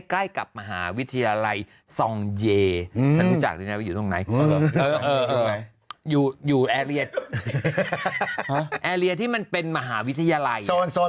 ใกล้กับมหาวิทยาลัยทรองเยอ่ออยู่โดยอเรียทที่มันเป็นมหาวิทยาลัยโซนโซน